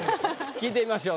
聞いてみましょう。